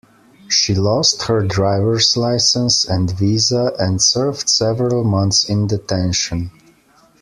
She lost her drivers licence and visa and served several months in detention.